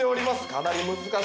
かなり難しい。